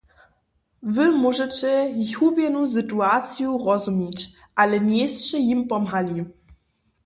Wy móžešće jich hubjenu situaciju rozumić, ale njejsće jim pomhali.